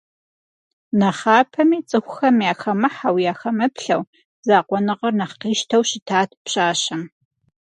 Нэхъапэми цӏыхухэм яхэмыхьэу, яхэмыплъэу, закъуэныгъэр нэхъ къищтэу щытат пщащэм.